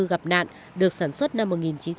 gặp nạn được sản xuất năm một nghìn chín trăm tám mươi ba